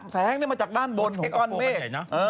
แสงมาจากด้านบนของก้อนเมฆ